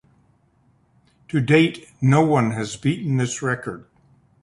To date, no one has beaten this record.